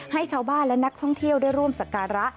ให้ชาวบ้านและนักท่องเที่ยวได้ร่วมสการะ